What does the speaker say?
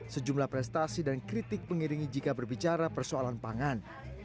sejumlah prestasi dan kritik mengiringi jika berbicara persoalan pangan